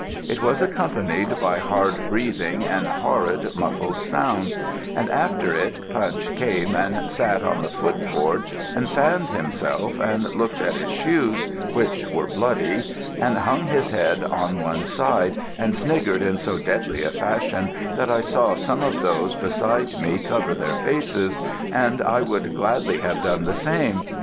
It was accompanied by hard breathing and horrid muffled sounds, and after it Punch came and sat on the foot board and fanned himself and looked at his shoes, which were bloody, and hung his head on one side, and sniggered in so deadly a fashion that I saw some of those beside me cover their faces, and I would gladly have done the same.